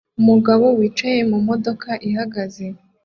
umugabo wicaye mu modoka ihagaze